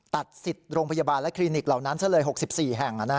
ตัดสิทธิ์โรงพยาบาลและคลินิกเหล่านั้นซะเลย๖๔แห่ง